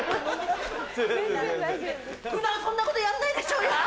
普段そんなことやんないでしょうよ！